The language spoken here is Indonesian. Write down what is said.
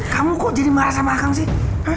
kamu kok jadi marah sama kamu sih